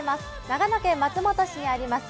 長野県松本市にあります